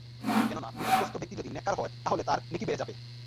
কেননা বিপদগ্রস্ত ব্যক্তি যদি নেককার হয়, তাহলে তার নেকী বেড়ে যাবে।